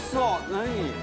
何？